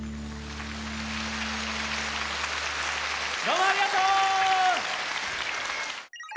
どうもありがとう！